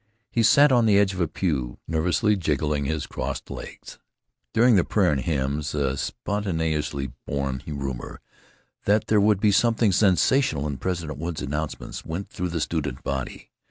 He sat on the edge of a pew, nervously jiggling his crossed legs. During the prayer and hymns a spontaneously born rumor that there would be something sensational in President Wood's announcements went through the student body.